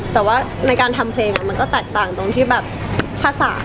แต่ว่าในการทำเพลงมันก็แตกต่างตรงที่แบบภาษา